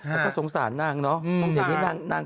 ก็สงสารนางเนอะต้องเสียงนิดนั้น